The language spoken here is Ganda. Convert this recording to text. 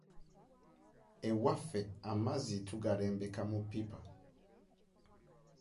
Ewaffe amazzi tugalembeka mu ppipa.